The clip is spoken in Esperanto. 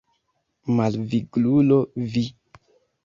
Malviglulo vi!